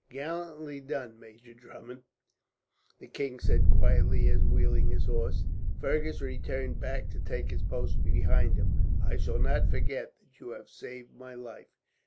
"Gallantly done, Major Drummond," the king said quietly as, wheeling his horse, Fergus returned back to take his post behind him. "I shall not forget that you have saved my life."